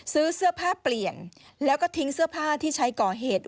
ซื้อเสื้อผ้าเปลี่ยนแล้วก็ทิ้งเสื้อผ้าที่ใช้ก่อเหตุ